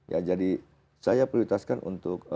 ya jadi saya prioritaskan untuk